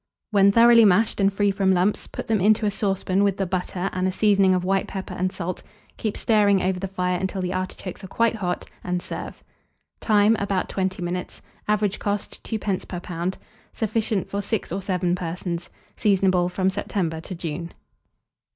When thoroughly mashed and free from lumps, put them into a saucepan with the butter and a seasoning of white pepper and salt; keep stirring over the fire until the artichokes are quite hot, and serve. Time. About 20 minutes. Average cost, 2d. per lb. Sufficient for 6 or 7 persons. Seasonable from September to June.